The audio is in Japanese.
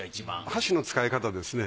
箸の使い方ですね。